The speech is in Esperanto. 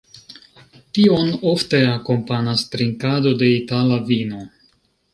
Tion ofte akompanas trinkado de itala vino.